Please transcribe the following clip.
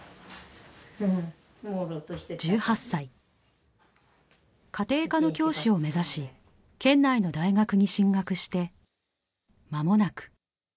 １８歳家庭科の教師を目指し県内の大学に進学してまもなく。